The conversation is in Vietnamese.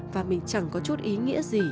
và mình chẳng có chút ý nghĩa gì